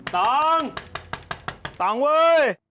ตองตองเว้ย